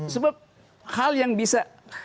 sebab hal yang bisa